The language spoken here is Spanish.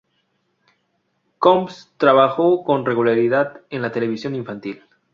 Coombs trabajó con regularidad en la televisión infantil.